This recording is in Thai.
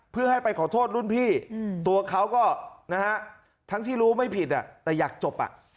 เพื่อให้ไปขอโทษรุ่นพี่ตัวเขาก็นะฮะทั้งที่รู้ไม่ผิดแต่อยากจบ